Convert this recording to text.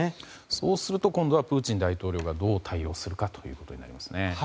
そうすると、今度はプーチン大統領がどう対応するかというところですね。